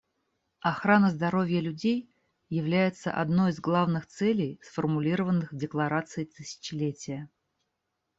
Охрана здоровья людей является одной из главных целей, сформулированных в Декларации тысячелетия.